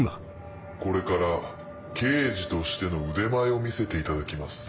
これから刑事としての腕前を見せていただきます。